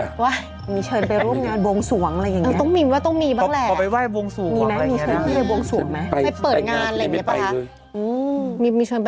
ไม่ปิ่นงานขึ้นไปเลย